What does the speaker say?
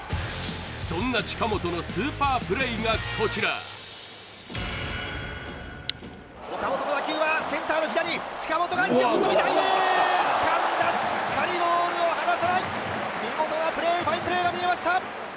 そんな近本のスーパープレーがこちら岡本の打球はセンターの左近本が横っとびダイブつかんだしっかりボールを離さない見事なプレーファインプレーが見れました